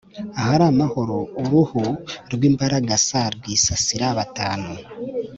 Ahari amahoro, uruhu rw’imbaragasa rwisasira batanu.